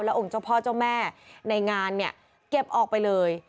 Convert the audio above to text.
องค์เจ้าพ่อเจ้าแม่ในงานเนี่ยเก็บออกไปเลย